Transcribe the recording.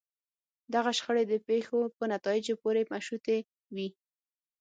دغه شخړې د پېښو په نتایجو پورې مشروطې وي.